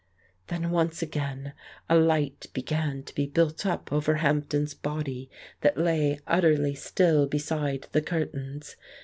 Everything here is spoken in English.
... Then once again a light began to be built up over Hampden's body that lay utterly still beside the cur tains.